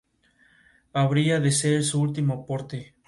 Habría de ser su último aporte.